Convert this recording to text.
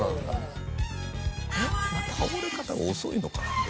倒れ方が遅いのか。